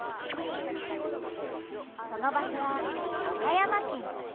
その場所は岡山県倉敷市。